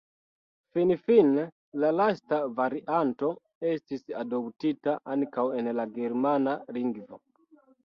Finfine la lasta varianto estis adoptita ankaŭ en la germana lingvo.